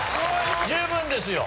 十分ですよ。